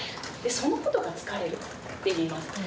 そのことが疲れる」って言います。